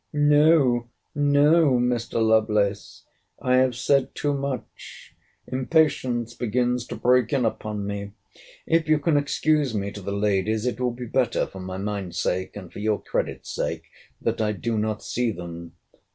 No, no, Mr. Lovelace: I have said too much. Impatience begins to break in upon me. If you can excuse me to the ladies, it will be better for my mind's sake, and for your credit's sake, that I do not see them.